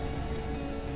bagaimana menurut anda